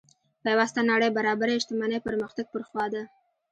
پیوسته نړۍ برابرۍ شتمنۍ پرمختګ پر خوا ده.